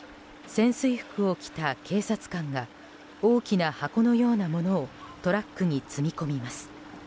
潜水服を着た警察官が大きな箱のようなものをトラックに積み込みます。